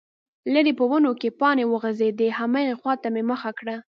ليرې په ونو کې پاڼې وخوځېدې، هماغې خواته مې مخه کړه،